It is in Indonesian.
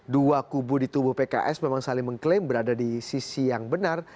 dua kubu di tubuh pks memang saling mengklaim berada di sisi yang benar